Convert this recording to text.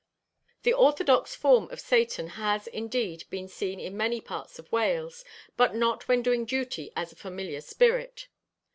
The orthodox form of Satan has indeed been seen in many parts of Wales, but not when doing duty as a familiar spirit.